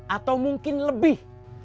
atau mungkin lebih